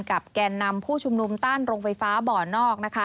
แก่นนำผู้ชุมนุมต้านโรงไฟฟ้าบ่อนอก